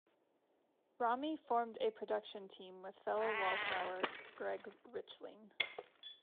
Rami formed a production team with fellow Wallflower Greg Richling.